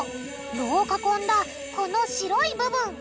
炉を囲んだこの白い部分！